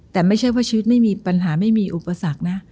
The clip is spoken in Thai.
แต่ไม่ใช่ว่าชีวิตไม่มีปัญหาไม่มีอุปสรรคนะ